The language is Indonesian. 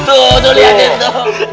tuh tuh lihat